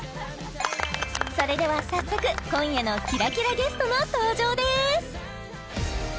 それでは早速今夜のキラキラゲストの登場です！